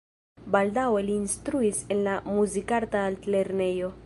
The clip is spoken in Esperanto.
Baldaŭe li instruis en la Muzikarta Altlernejo.